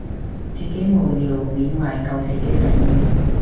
自己無聊緬懷舊時嘅實驗